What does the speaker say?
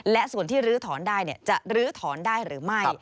และส่วนที่ลื้อถอนได้จะลื้อถอนได้หรือไม่